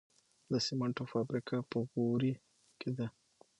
د سمنټو فابریکه په غوري کې ده